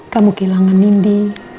kamu kehilangan nindi